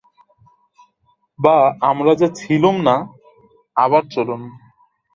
বা, আমরা যে ছিলুম না, আবার চলুন।